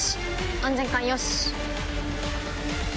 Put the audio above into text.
安全環よし！